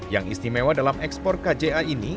yang istimewa dalam ekspor kja ini